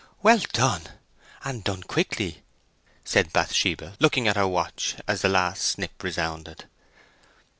"Well done, and done quickly!" said Bathsheba, looking at her watch as the last snip resounded.